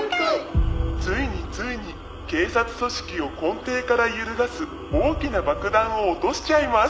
「ついについに警察組織を根底から揺るがす大きな爆弾を落としちゃいます」